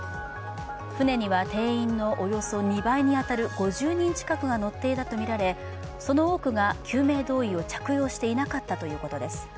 船には定員のおよそ２倍に当たる５０人近くが乗っていたとみられその多くが救命胴衣を着用していなかったということです。